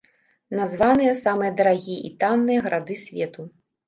Названыя самыя дарагія і танныя гарады свету.